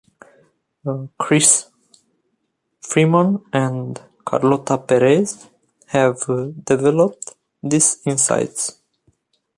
Chris Freeman and Carlota Perez have developed these insights.